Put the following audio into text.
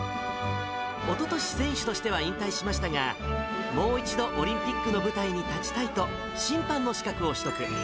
おととし、選手としては引退しましたが、もう一度、オリンピックの舞台に立ちたいと審判の資格を取得。